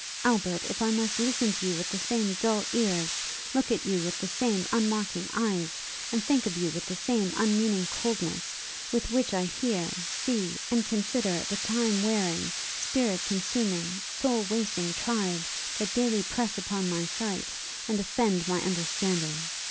Albert! if I must listen to you with the same dull ears, look at you with the same unmarking eyes, and think of you with the same unmeaning coldness, with which I hear, see, and consider the time wearing, spirit consuming, soul wasting tribe, that daily press upon my sight, and offend my understanding?